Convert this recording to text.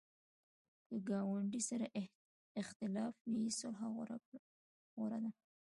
که ګاونډي سره اختلاف وي، صلح غوره ده